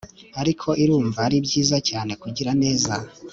ariko irumva ari byiza cyane kugira neza